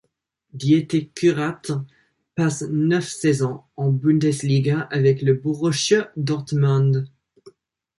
Dieter Kurrat passe neuf saisons en Bundesliga avec le Borussia Dortmund.